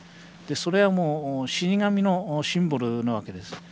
それもう死に神のシンボルなわけです。